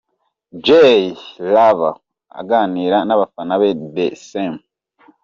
Jay Luv aganira n'abafana ba The Same.